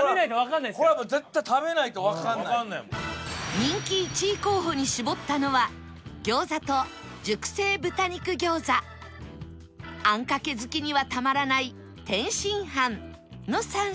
人気１位候補に絞ったのは餃子と熟成豚肉餃子あんかけ好きにはたまらない天津飯の３品